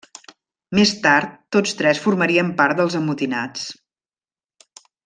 Més tard tots tres formarien part dels amotinats.